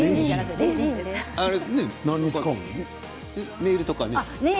ネイルとかね。